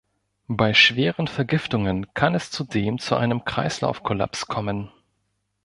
Bei schweren Vergiftungen kann es zudem zu einem Kreislaufkollaps kommen.